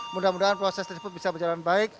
mudah mudahan proses tersebut bisa berjalan baik